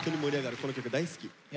この曲大好き。